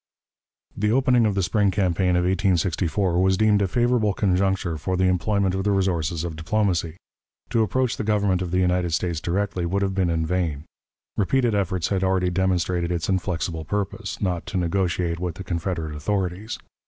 The opening of the spring campaign of 1864 was deemed a favorable conjuncture for the employment of the resources of diplomacy. To approach the Government of the United States directly would have been in vain. Repeated efforts had already demonstrated its inflexible purpose not to negotiate with the Confederate authorities.